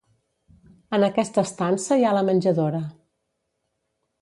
En aquesta estança hi ha la menjadora.